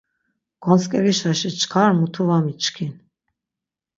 Gontzǩerişaşi çkar mutu va miçkin.